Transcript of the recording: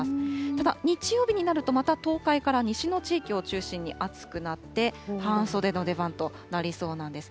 ただ、日曜日になると、また東海から西の地域を中心に暑くなって、半袖の出番となりそうなんです。